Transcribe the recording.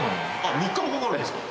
３日もかかるんですか？